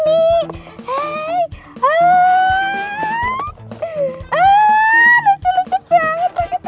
lucu lucu banget paket paket